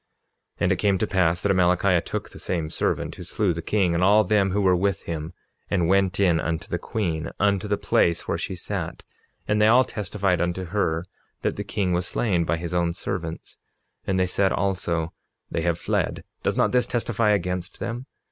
47:34 And it came to pass that Amalickiah took the same servant that slew the king, and all them who were with him, and went in unto the queen, unto the place where she sat; and they all testified unto her that the king was slain by his own servants; and they said also: They have fled; does not this testify against them?